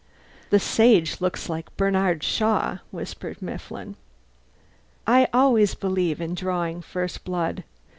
"The Sage looks like Bernard Shaw," whispered Mifflin. I always believe in drawing first blood.